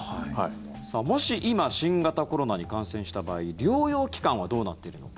もし今新型コロナに感染した場合療養期間はどうなっているのか。